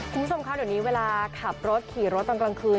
คุณผู้ชมคะเดี๋ยวนี้เวลาขับรถขี่รถตอนกลางคืน